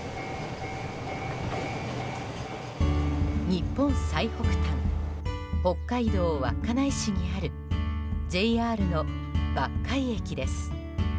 日本最北端北海道稚内市にあるＪＲの抜海駅です。